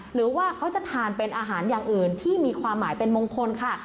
หรือว่าเขาจะทานเป็นอาหารอย่างอื่นที่มีความหมายเป็นมงคลค่ะ